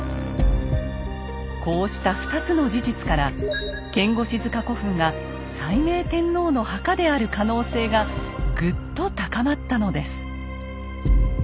こうした２つの事実から牽牛子塚古墳が斉明天皇の墓である可能性がぐっと高まったのです。